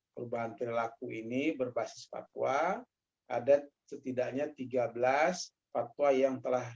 perubahan perilaku ini berbasis fatwa ada setidaknya tiga belas fatwa yang telah